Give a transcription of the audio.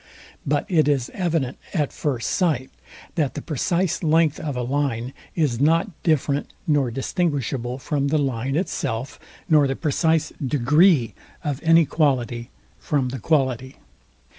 But it is evident at first sight, that the precise length of a line is not different nor distinguishable from the line itself nor the precise degree of any quality from the quality.